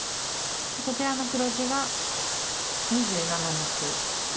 こちらの黒地が２７目。